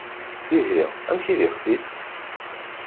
Ihi, amek i d ixf-is?